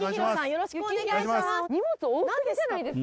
よろしくお願いします。